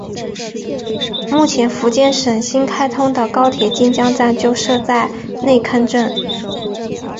目前福建省新开通的高铁晋江站就设在内坑镇。